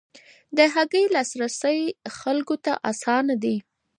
د هګۍ لاسرسی خلکو ته اسانه دی.